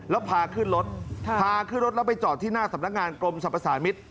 แล้วพาขึ้นรถพาขึ้นรถแล้วไปจอดที่หน้าสำนักงานกรมสรรพสารมิตร